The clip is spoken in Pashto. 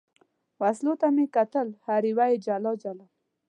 وسلو ته مې کتل، هره یوه یې جلا جلا.